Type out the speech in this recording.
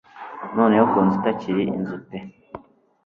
Noneho ku nzu itakiri inzu pe